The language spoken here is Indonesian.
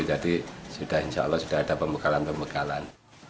jadi sudah insya allah sudah ada pembekalan pembekalan